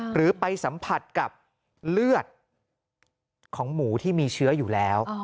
หรือไปสัมผัสกับเลือดของหมูที่มีเชื้ออยู่แล้ว